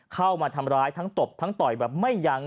เข้ามาทำร้ายทั้งตบทั้งต่อยแบบไม่ยั้ง